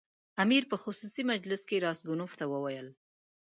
امیر په خصوصي مجلس کې راسګونوف ته وویل.